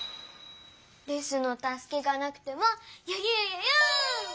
レスのたすけがなくてもよゆうよゆう！